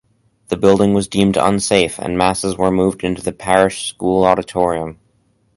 The building was deemed unsafe and masses were moved into the parish school auditorium.